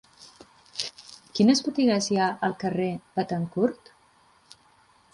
Quines botigues hi ha al carrer de Béthencourt?